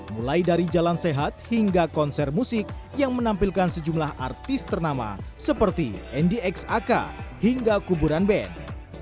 mulai dari jalan sehat hingga konser musik yang menampilkan sejumlah artis ternama seperti ndx ak hingga kuburan band